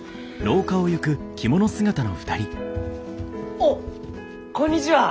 おっこんにちは！